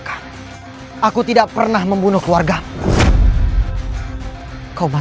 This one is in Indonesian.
kau tidak apa apa